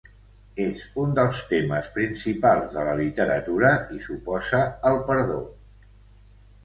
És un dels temes principals de la literatura i s'oposa al perdó.